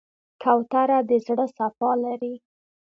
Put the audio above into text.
کوتره د زړه صفا لري.